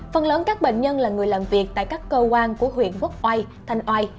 phần lớn các bệnh nhân là người làm việc tại các cơ quan của huyện quốc oai thanh oai